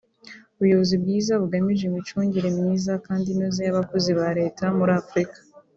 ‘Ubuyobozi Bwiza bugamije Imicungire Myiza kandi inoze y’Abakozi ba Leta muri Afurika’